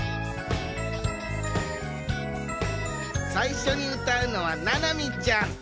さいしょにうたうのはななみちゃん。